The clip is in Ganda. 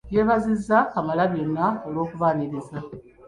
Yeebazizza Kamalabyonna olw'okubaaniriza.